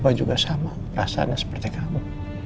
bapak juga sama rasanya seperti kamu